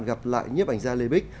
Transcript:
gặp lại nhếp ảnh gia lê bích